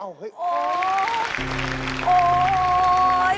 อ๊าย